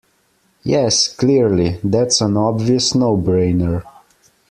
Yes, clearly, that's an obvious no-brainer